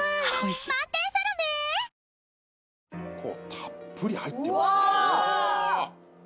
たっぷり入ってますねお。